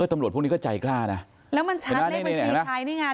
ตำรวจพวกนี้ก็ใจกล้านะแล้วมันชัดเลขบัญชีใครนี่ไง